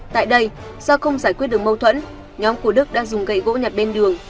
tại đây do không giải quyết được mâu thuẫn nhóm của đức đã dùng gậy gỗ nhặt bên đường